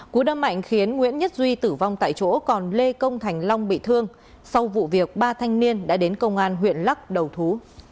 cú đâm mạnh khiến nguyễn nhất duy tử vong tại chỗ còn lê công thành long bị thương sau vụ việc ba thanh niên đã đến công an huyện lắc đầu thú